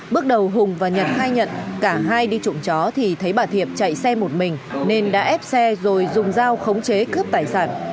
bước đầu hùng và nhật khai nhận cả hai đi trộm chó thì thấy bà thiệp chạy xe một mình nên đã ép xe rồi dùng dao khống chế cướp tài sản